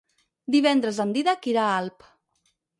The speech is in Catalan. Divendres en Dídac irà a Alp.